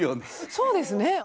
そうですね。